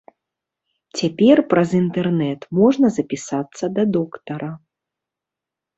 Цяпер праз інтэрнэт можна запісацца да доктара.